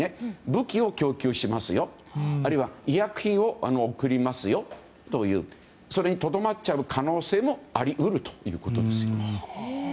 武器を供給しますよあるいは医薬品を送りますよとそれにとどまっちゃう可能性もあり得るということです。